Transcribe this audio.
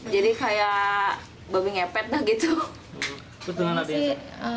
jadi kayak babi ngepet lah gitu